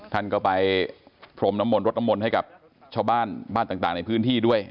ท่านก็ไปพรมน้ำมนรดน้ำมนต์ให้กับชาวบ้านบ้านต่างในพื้นที่ด้วย